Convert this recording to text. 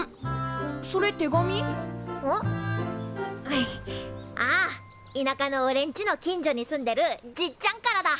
いなかのおれんちの近所に住んでるじっちゃんからだ。